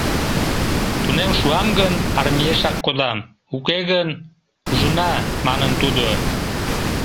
— Тунем шуам гын, армиешак кодам, уке гын... ужына, — манын тудо.